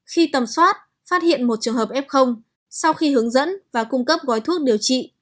khi tầm soát phát hiện một trường hợp f sau khi hướng dẫn và cung cấp gói thuốc điều trị